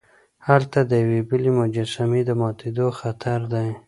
هلته د یوې بلې مجسمې د ماتیدو خطر دی.